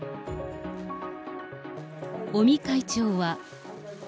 尾身会長は。